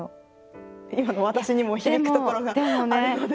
今の私にも響くところがあるので。